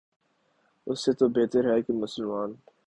اس سے تو بہتر ہے کہ مسلمان